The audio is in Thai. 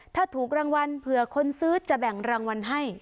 ถ้าถูกรางวัลเผื่อคนซื้อจะแบ่งรางวัลให้